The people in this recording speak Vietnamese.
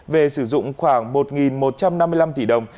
về sử dụng khoảng một một trăm năm mươi năm tỷ đồng